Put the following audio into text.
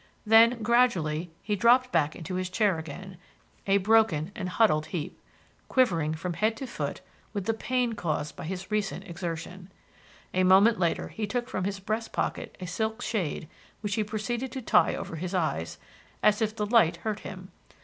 Then, gradually he dropped back into his chair again, a broken and huddled heap, quivering from head to foot with the pain caused by his recent exertion. A moment later he took from his breast pocket a silk shade, which he proceeded to tie over his eyes, as if the light hurt him.